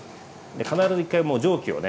必ず１回もう蒸気をね